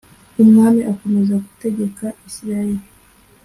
umwami akomeza gutegeka Isirayeli